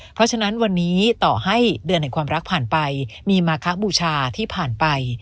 เพราะฉะนั้นวันนี้ต่อให้เดือนแห่งความรักผ่านไปมีมาคบูชาที่ผ่านไป